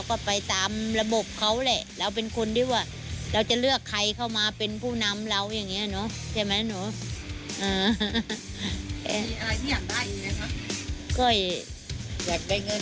ก็ไปตามระบบเขาแหละเราเป็นคนที่ว่าเราจะเลือกใครเข้ามาเป็นผู้นำเราอย่างนี้เนาะใช่ไหมเนาะ